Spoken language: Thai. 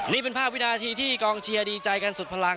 นี่เป็นภาพวินาทีที่กองเชียร์ดีใจกันสุดพลัง